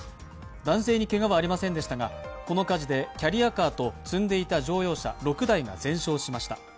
男性にけがはありませんでしたがこの火事で、キャリアカーと積んでいた乗用車６台が全焼しました。